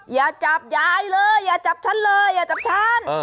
อย่าจับยายเลยอย่าจับฉันเลยอย่าจับฉัน